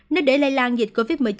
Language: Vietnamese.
nếu để lây lan dịch covid một mươi chín